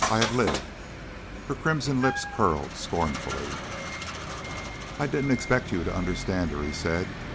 I have lived!" Her crimson lips curled scornfully. "I didn't expect you to understand her," he said.